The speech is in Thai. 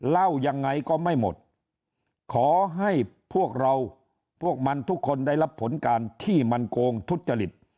เล่ายังไงก็ไม่หมดขอให้พวกเราพวกมันทุกคนได้รับผลการที่มันโกงทุจริต